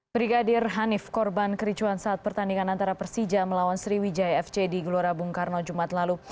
brigadir hanif korban kericuan saat pertandingan antara persija melawan sriwijaya fc di gelora bung karno jumat lalu